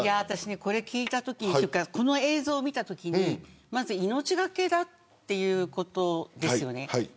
私ね、これを聞いたときにというか、この映像を見たときにまず命懸けだっていうことですよね。